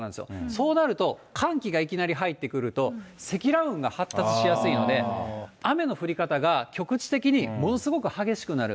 そうなると、寒気がいきなり入ってくると、積乱雲が発達しやすいので、雨の降り方が局地的にものすごく激しくなる。